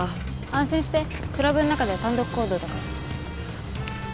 安心してクラブの中では単独行動だから。